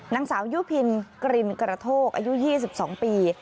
นางสาวยุพินกลิ่นกระโทกอายุ๒๒ปี